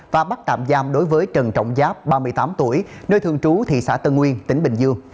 và bắt tạm giam đối với trần trọng giáp ba mươi tám tuổi nơi thường trú thị xã tân nguyên tỉnh bình dương